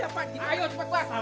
pak pak pak